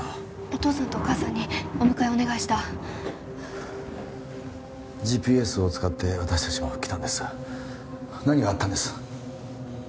お父さんとお義母さんにお迎えお願いしたＧＰＳを使って私達も来たんです何があったんです？